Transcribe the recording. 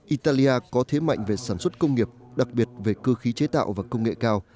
italia có thế mạnh về sản xuất công nghiệp đặc biệt về cơ khí chế tạo và công nghệ cao